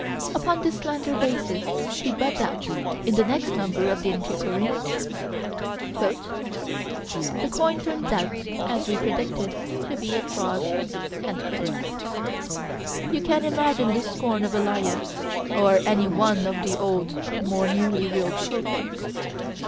Upon this slender basis, he buds out, in the next number of the Antiquarian: "The coin turns out, as we predicted, to be a fraud." You can imagine the scorn of Elijah, or any of the old more nearly real prophets.